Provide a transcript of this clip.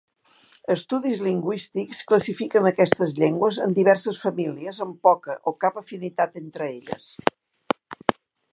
Estudis lingüístics classifiquen aquestes llengües en diverses famílies amb poca o cap afinitat entre elles.